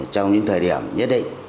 trong những thời điểm nhất định